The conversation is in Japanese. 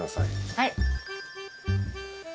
はい。